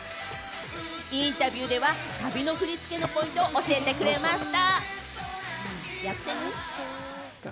インタビューではサビの振り付けのポイントを教えてくれました。